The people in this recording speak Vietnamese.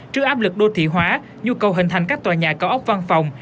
trước áp lực đô thị hóa nhu cầu hình thành các tòa nhà cao ốc văn phòng